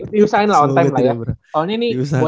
diusahain lah on time lah ya